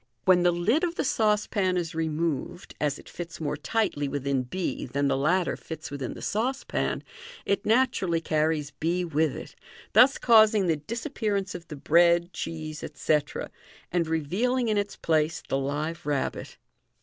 When the lid of the saucepan is removed, as it fits more tightly within b than the latter fits within the saucepan., it Fig. 151. J r t> MODEXN MA GfC. naturally carries b with it, thus causing the disappearance of the bread, cheese, etc., and revealing in its place the live rabbit.